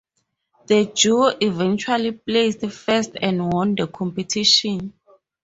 The duo eventually placed first and won the competition.